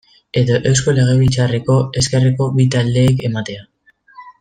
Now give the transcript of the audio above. Edo Eusko Legebiltzarreko ezkerreko bi taldeek ematea.